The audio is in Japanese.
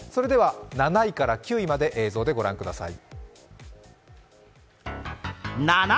７位から９位まで映像で御覧ください。